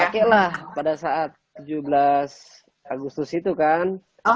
pakailah pada saat tujuh belas agustus itu kan